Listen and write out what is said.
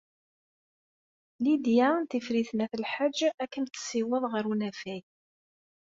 Lidya n Tifrit n At Lḥaǧ ad kem-tessiweḍ ɣer unafag.